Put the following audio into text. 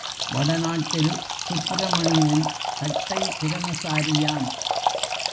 வடநாட்டில் சுப்பிரமணியன் கட்டை பிரமசாரியாம்.